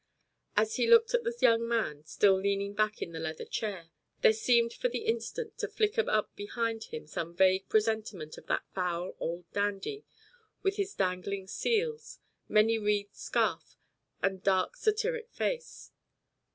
As he looked at the young man still leaning back in the leather chair, there seemed for the instant to flicker up behind him some vague presentiment of that foul old dandy with his dangling seals, many wreathed scarf, and dark satyric face.